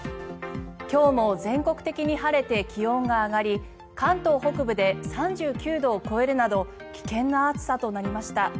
今日も全国的に晴れて気温が上がり関東北部で３９度を超えるなど危険な暑さとなりました。